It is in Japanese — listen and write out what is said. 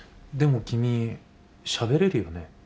でも君しゃべれるよね？